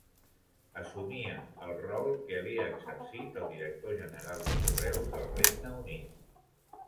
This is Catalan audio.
Assumia el rol que havia exercit el Director General de Correus del Regne Unit.